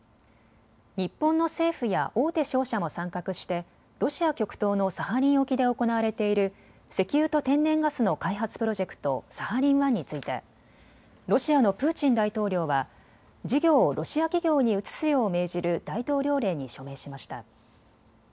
日本の政府や大手商社も参画してロシア極東のサハリン沖で行われている石油と天然ガスの開発プロジェクト、サハリン１についてロシアのプーチン大統領は事業をロシア企業に移すよう命じる大統領令に署名しました。